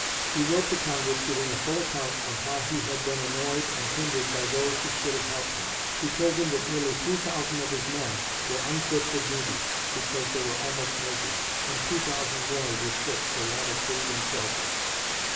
He wrote to Congress, giving a full account of how he had been annoyed and hindered by those who should have helped him. He told them that nearly three thousand of his men were unfit for duty because they were almost naked, and two thousand more were sick for want of food and shelter.